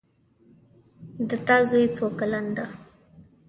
د تا زوی څو کلن ده